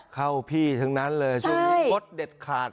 เข้าพี่ทั้งนั้นเลยช่วงนี้งดเด็ดขาด